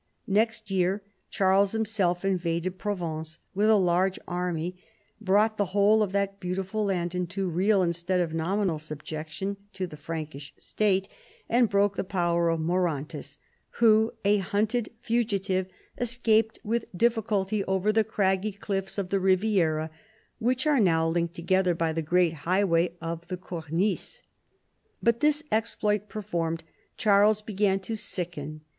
Next year Charles himself invaded Provence Avith a large army, brought the whole of that beautiful land into real instead of nominal subjection to the Frankish State, and broke the power of Maurontus, who, a hunted fugitive, escaped with difficulty over (50 CHARLEMAGNE. the craggy cliffs of the Riviera, which are now linked together by the great highway of the Cornice. But, this exploit performed, Charles began to sicken.